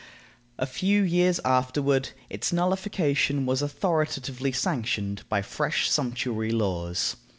A few years afterward, its nullification was authoritatively sanctioned by fresh sumptuary laws.